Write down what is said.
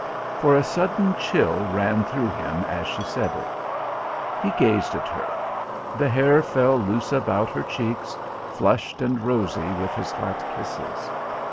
For a sudden chill ran through him as she said it. He gazed at her. The hair fell loose about her cheeks, flushed and rosy with his hot kisses.